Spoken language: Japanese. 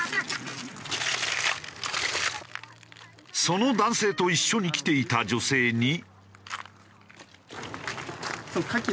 その男性と一緒に来ていた女性に。